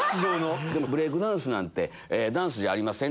ブレイクダンスなんてダンスじゃありません！